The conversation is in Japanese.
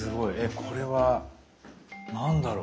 これは何だろう？